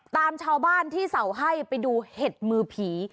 ตามชาวบ้านที่เสาให้ไปดูเห็ดมือผี